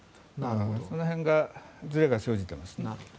その辺が、ずれが生じてますね。